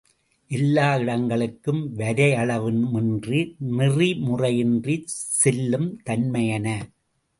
எல்லா இடங்களுக்கும் வரையளவுமின்றி, நெறிமுறையின்றிச் செல்லும் தன்மையன.